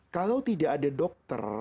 kalau tidak ada dokter